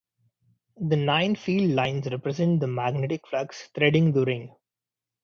The nine field lines represent the magnetic flux threading the ring.